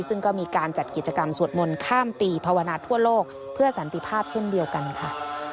ซึ่งก็มีการจัดกิจกรรมสวดมนต์ข้ามปีภาวนาทั่วโลกเพื่อสันติภาพเช่นเดียวกันค่ะ